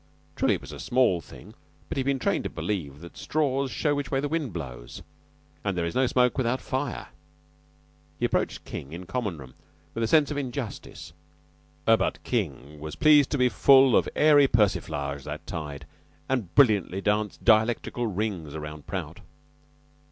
Truly, it was a small thing, but he had been trained to believe that straws show which way the wind blows, and that there is no smoke without fire. He approached King in Common room with a sense of injustice, but King was pleased to be full of airy persiflage that tide, and brilliantly danced dialectical rings round Prout.